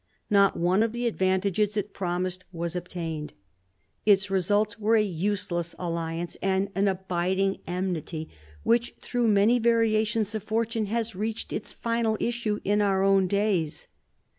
Not one of the advantages it promised was obtained. Its results were a useless alliance and an abiding enmity, which through many variations of fortune has reached its final issue in our own days.